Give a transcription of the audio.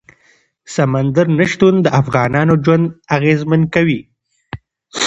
سمندر نه شتون د افغانانو ژوند اغېزمن کوي.